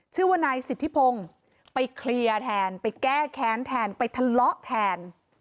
ชื่อว่านายสิทธิพงศ์ไปเคลียร์แทนไปแก้แค้นแทนไปทะเลาะแทน